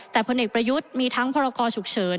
แต่พลเอกประยุทธ์มีทั้งพรกรฉุกเฉิน